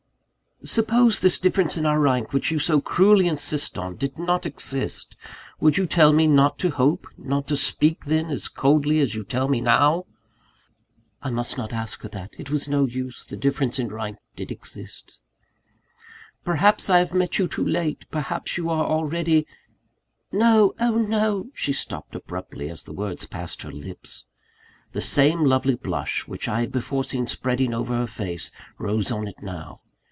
"Suppose this difference in rank, which you so cruelly insist on, did not exist, would you tell me not to hope, not to speak then, as coldly as you tell me now?" I must not ask her that it was no use the difference in rank did exist. "Perhaps I have met you too late? perhaps you are already " "No! oh, no!" she stopped abruptly, as the words passed her lips. The same lovely blush which I had before seen spreading over her face, rose on it now.